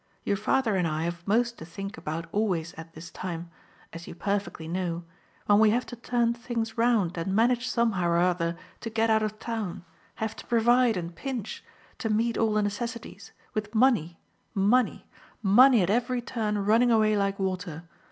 Your father and I have most to think about always at this time, as you perfectly know when we have to turn things round and manage somehow or other to get out of town, have to provide and pinch, to meet all the necessities, with money, money, money at every turn running away like water.